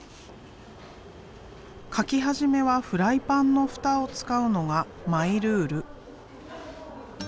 描き始めはフライパンの蓋を使うのがマイルール。